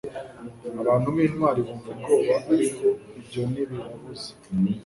Abantu bintwari bumva ubwoba ariko ibyo ntibibabuza